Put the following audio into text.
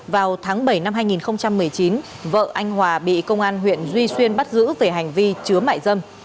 vào tháng bảy năm hai nghìn một mươi chín vợ anh hòa bị công an huyện duy xuyên bắt giữ về hành vi chứa mại dâm